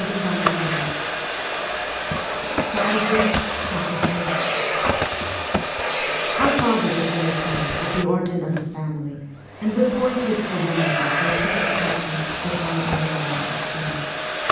10 MEMOIRS OF A REVOLUTIONIST III OUE father was very proud of the origin of his family, and would point with solemnity to a piece of parchment which hung on the wall of his study.